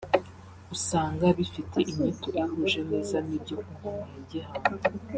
usanga bifite inyito ihuje neza n’ibyo ku ngoma ya Gihanga